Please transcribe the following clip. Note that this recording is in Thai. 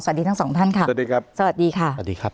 สวัสดีทั้งสองท่านค่ะสวัสดีค่ะสวัสดีค่ะ